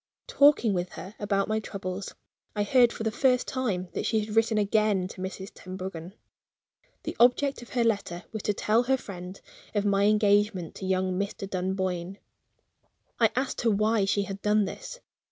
Talking with her about my troubles, I heard for the first time that she had written again to Mrs. Tenbruggen. The object of her letter was to tell her friend of my engagement to young Mr. Dunboyne. I asked her why she had done this.